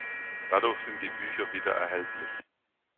Dadurch sind die Bücher wieder erhältlich.